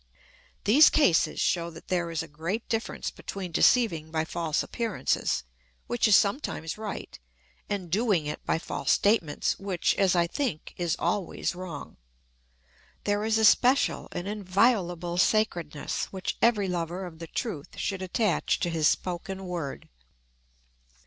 These cases show that there is a great difference between deceiving by false appearances, which is sometimes right, and doing it by false statements, which, as I think, is always wrong. There is a special and inviolable sacredness, which every lover of the truth should attach to his spoken word.